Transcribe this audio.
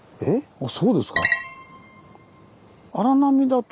あそうですか。